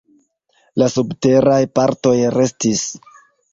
La subteraj partoj restis.